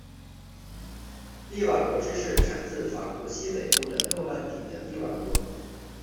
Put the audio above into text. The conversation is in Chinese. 利瓦罗芝士产自法国西北部的诺曼第的利瓦罗。